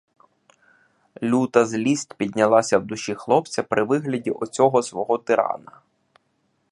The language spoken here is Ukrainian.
Люта злість піднялася в душі хлопця при вигляді оцього свого тирана.